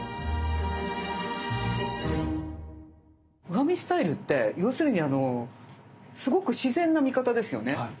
上見スタイルって要するにすごく自然な見方ですよね。